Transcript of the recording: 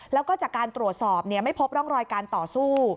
แล้วก็จากการตรวจสอบไม่พบร่องรอยการต่อสู้